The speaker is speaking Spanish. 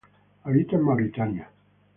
Habita en Mauritania.